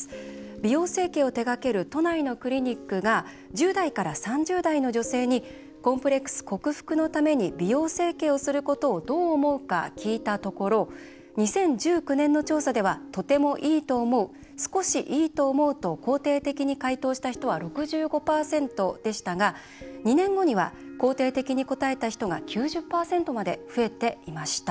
美容整形を手がける都内のクリニックが１０代から３０代の女性にコンプレックス克服のために美容整形をすることをどう思うか聞いたところ２０１９年の調査では「とてもいいと思う」「少しいいと思う」と肯定的に回答した人は６５％でしたが２年後には肯定的に答えた人が９０％まで増えていました。